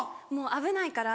危ないから？